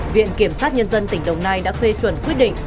viện kiểm sát nhân dân tỉnh đồng nai đã phê chuẩn quyết định